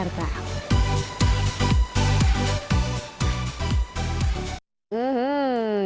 irene wardani jakarta